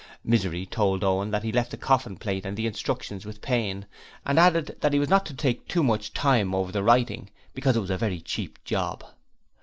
Misery told Owen that he had left the coffin plate and the instructions with Payne and added that he was not to take too much time over the writing, because it was a very cheap job.